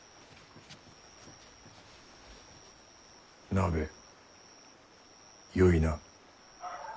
鍋よいな。